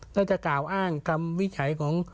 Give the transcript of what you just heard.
ถ้าจะกล่าวอ้างคำวิจัยของ